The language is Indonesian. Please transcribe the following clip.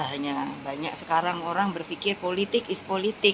hanya banyak sekarang orang berpikir politik is politik